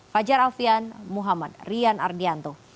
fajar alfian muhammad rian ardianto